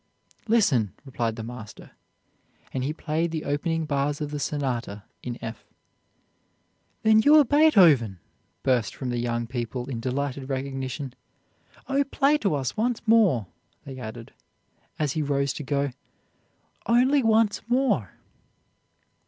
"'Listen!' replied the master, and he played the opening bars of the Sonata in F. 'Then you are Beethoven!' burst from the young people in delighted recognition. 'Oh, play to us once more,' they added, as he rose to go, 'only once more!'